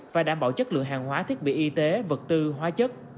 và đảm bảo chất lượng hàng hóa thiết bị y tế vật tư hóa chất